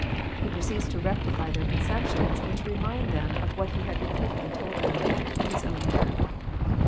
He proceeds to rectify their conceptions, and > to remind them of what He had repeatedly told them* His oWn death.